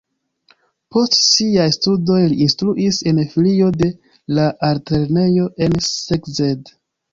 Post siaj studoj li instruis en filio de la altlernejo en Szeged.